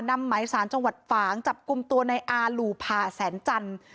นำหมายสารจังหวัดฝางจับกลุ่มตัวในอาหลูพาแสนจันทร์